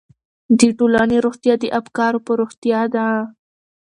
د ټولنې روغتیا د افکارو په روغتیا ده.